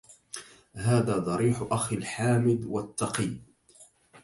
هذا ضريح أخي المحامد والتقى